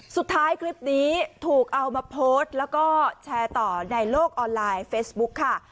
สุดท้ายคลิปนี้ถูกเอามาโพสต์แล้วก็แชร์ต่อในโลกออนไลน์เฟซบุ๊คค่ะ